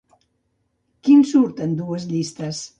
Quin surt en dues llistes?